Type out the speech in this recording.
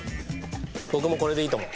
僕もこれでいいと思う。